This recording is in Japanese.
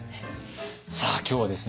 さあ今日はですね